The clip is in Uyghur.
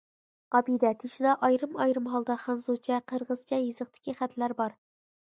ئابىدە تېشىدا ئايرىم-ئايرىم ھالدا خەنزۇچە، قىرغىزچە يېزىقتىكى خەتلەر بار.